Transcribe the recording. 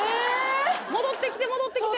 戻ってきて戻ってきて。